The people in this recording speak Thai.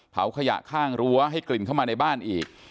เผาขยะข้างรั้วให้กลิ่นเข้ามาในบ้านอีก